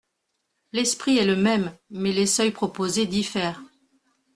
L’esprit est le même mais les seuils proposés diffèrent.